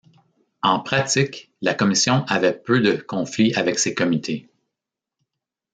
En pratique, la Commission avait peu de conflits avec ses comités.